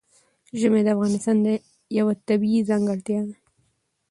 ژمی د افغانستان یوه طبیعي ځانګړتیا ده.